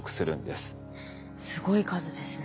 すごい数ですね。